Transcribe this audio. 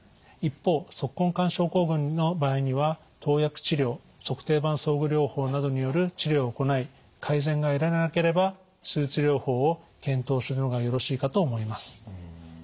一方足根管症候群の場合には投薬治療足底板装具療法などによる治療を行い改善が得られなければ手術療法を検討するのがよろしいかと思います。